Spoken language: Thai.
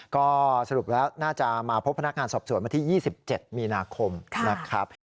ก็สรุปแล้วน่าจะมาพบพนักงานสอบสวนวันที่๒๗มีนาคมนะครับ